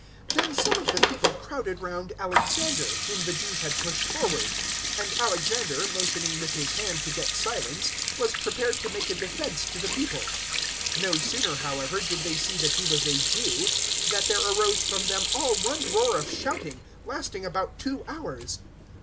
019:033 Then some of the people crowded round Alexander, whom the Jews had pushed forward; and Alexander, motioning with his hand to get silence, was prepared to make a defence to the people. 019:034 No sooner, however, did they see that he was a Jew, than there arose from them all one roar of shouting, lasting about two hours.